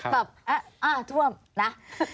แบบอ้าท่วมนะ